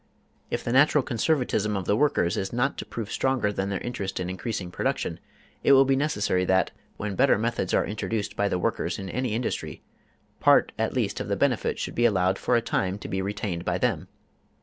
If the natural conservatism of the workers is not to prove stronger than their interest in increasing production, it will be necessary that, when better methods are introduced by the workers in any industry, part at least of the benefit should be allowed for a time to be retained by them.